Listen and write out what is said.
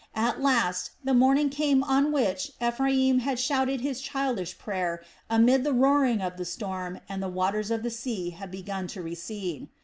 At last the morning came on which Ephraim had shouted his childish prayer amid the roaring of the storm, and the waters of the sea had begun to recede.